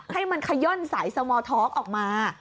ให้มันขย่อนสายสมอท้อคออกมา